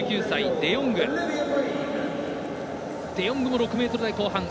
デヨングも６ｍ後半。